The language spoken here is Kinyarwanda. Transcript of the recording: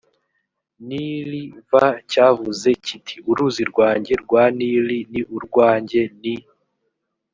nili v cyavuze kiti uruzi rwanjye rwa nili ni urwanjye ni